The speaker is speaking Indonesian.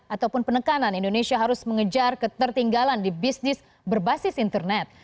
ataupun penekanan indonesia harus mengejar ketertinggalan di bisnis berbasis internet